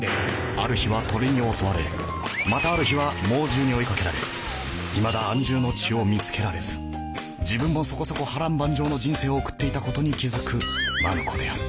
ある日は鳥に襲われまたある日は猛獣に追いかけられいまだ安住の地を見つけられず自分もそこそこ波乱万丈の人生を送っていたことに気付くマヌ子であった